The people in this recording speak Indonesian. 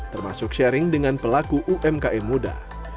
termasuk sharing dengan pelaku umkm muda